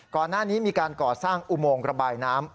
ก่อนหน้านี้มีการก่อสร้างอุโมงระบายน้ำ